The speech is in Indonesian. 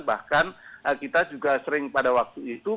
bahkan kita juga sering pada waktu itu